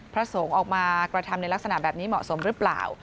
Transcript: พระสงฆ์ออกมากระทำในลักษณะแบบนี้เหมาะสมหรือเปล่า